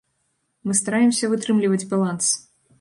Мы стараемся вытрымліваць баланс.